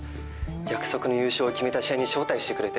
約束の優勝を決めた試合に招待してくれて。